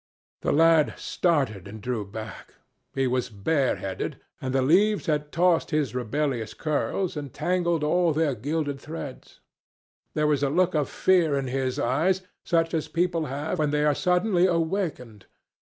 The lad started and drew back. He was bareheaded, and the leaves had tossed his rebellious curls and tangled all their gilded threads. There was a look of fear in his eyes, such as people have when they are suddenly awakened.